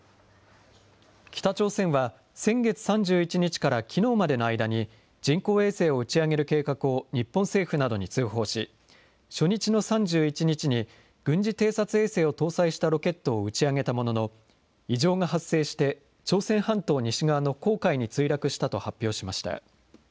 北朝鮮は、先月３１日からきのうまでの間に、人工衛星を打ち上げる計画を日本政府などに通報し、初日の３１日に、軍事偵察衛星を搭載したロケットを打ち上げたものの、異常が発生して朝鮮半島西側の黄海に墜落したと発表しました。